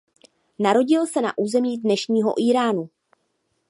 Narodil se na území dnešního Íránu.